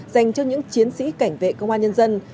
dành cho những chiến sĩ cảnh vệ công an nhân dân